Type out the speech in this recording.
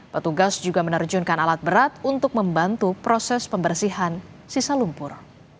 petugas juga menerjunkan alat berat untuk membantu proses pembersihan sisa lumpur